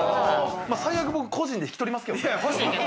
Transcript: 最悪、僕個人で引き取りますけどね。